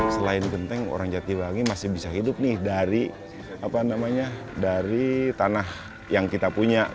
selain genteng orang jatiwangi masih bisa hidup nih dari tanah yang kita punya